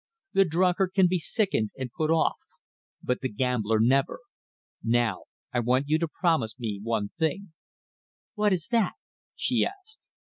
The drunkard can be sickened and put off, but the gambler never. Now I want you to promise me one thing." "What is that?" she asked.